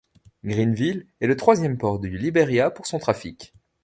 Greenville est le troisième port du Liberia pour son trafic.